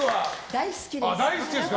大好きです。